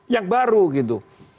yang baru gitu